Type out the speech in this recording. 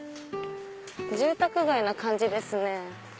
住宅街な感じですね。